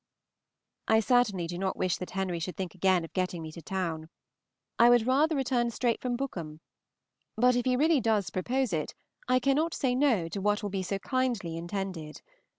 I certainly do not wish that Henry should think again of getting me to town. I would rather return straight from Bookham; but if he really does propose it, I cannot say No to what will be so kindly intended.